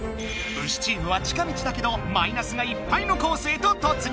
ウシチームは近道だけどマイナスがいっぱいのコースへと突入！